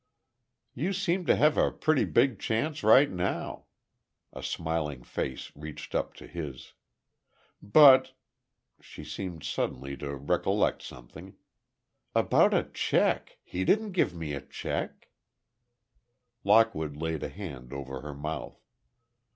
"You seem to have a pretty big chance, right now," a smiling face reached up to his. "But—" she seemed suddenly to recollect something, "about a check—he didn't give me a check—" Lockwood laid a hand over her mouth.